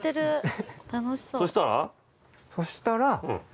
そしたら。